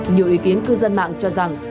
nhiều ý kiến cư dân mạng cho rằng